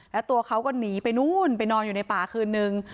แล้วตัวเขาก็หนีไปนู่นไปนอนอยู่ในป่าคืนนึง